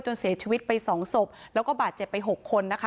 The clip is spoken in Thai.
เสียชีวิตไปสองศพแล้วก็บาดเจ็บไปหกคนนะคะ